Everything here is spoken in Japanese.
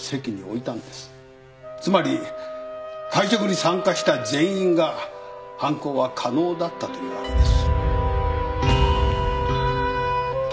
つまり会食に参加した全員が犯行は可能だったというわけです。